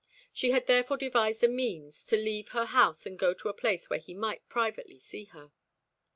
She had therefore devised a means to leave her house and go to a place where he might privately see her.